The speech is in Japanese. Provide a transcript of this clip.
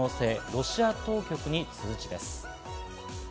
ロシア当局に通知です。